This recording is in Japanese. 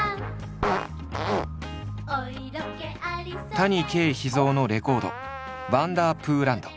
谷啓秘蔵のレコード「ワンダープーランド」。